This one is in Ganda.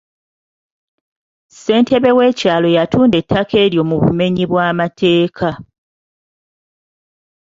Ssentebe w'ekyalo yatunda ettaka eryo mu bumenyi bw'amateeka.